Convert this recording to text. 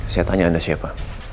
saya tanya anda siapa